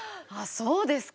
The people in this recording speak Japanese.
そうですか。